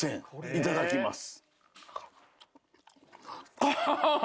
いただきます。